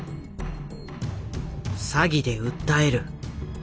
「詐欺で訴える」。